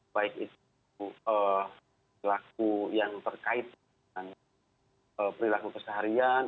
baik itu perilaku yang terkait dengan perilaku keseharian